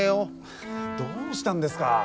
どうしたんですか？